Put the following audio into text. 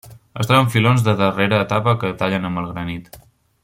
Es troba en filons de darrera etapa que tallen amb el granit.